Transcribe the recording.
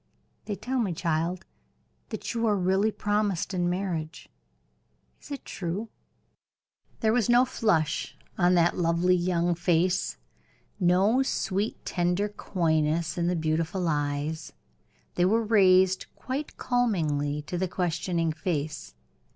"They tell me, child, that you are really promised in marriage is it true?" There was no flush on that lovely young face; no sweet, tender coyness in the beautiful eyes; they were raised quite calmly to the questioning face.